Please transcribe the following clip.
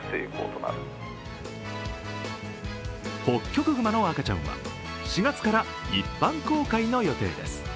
ホッキョクグマの赤ちゃんは４月から一般公開の予定です。